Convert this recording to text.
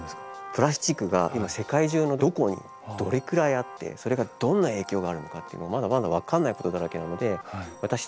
プラスチックが今世界中のどこにどれくらいあってそれがどんな影響があるのかってまだまだ分からないことだらけなので私たち